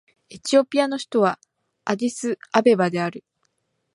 エチオピアの首都はアディスアベバである